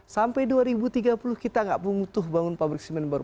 sampai dua ribu tiga puluh kita nggak butuh bangun pabrik semen baru